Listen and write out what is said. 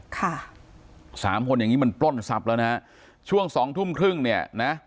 ค่ะสามคนอย่างงี้มันปล้นทรัพย์แล้วนะฮะช่วงสองทุ่มครึ่งเนี่ยนะ